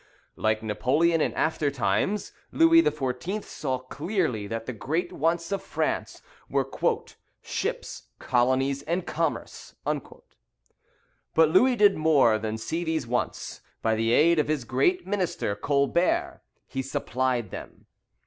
Like Napoleon in after times, Louis XIV. saw clearly that the great wants of France were "ships, colonies, and commerce." But Louis did more than see these wants: by the aid of his great minister, Colbert, he supplied them.